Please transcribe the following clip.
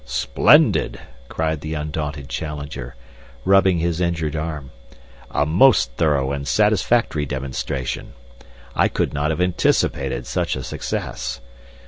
"Splendid!" cried the undaunted Challenger, rubbing his injured arm. "A most thorough and satisfactory demonstration! I could not have anticipated such a success.